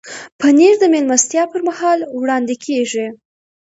پنېر د میلمستیا پر مهال وړاندې کېږي.